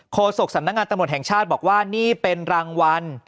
โศกสำนักงานตำรวจแห่งชาติบอกว่านี่เป็นรางวัล